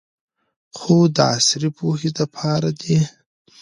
خو د عصري پوهې د پاره دې